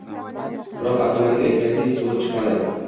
Biroq, Abdumalik aytganidek bo`lib chiqmadi